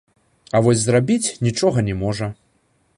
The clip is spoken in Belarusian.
А вось зрабіць нічога не можа.